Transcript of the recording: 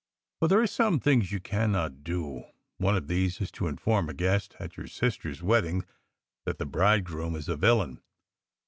But there are some things you cannot do ! One of these is to inform a guest at your sister s wedding that the bridegroom is a villain.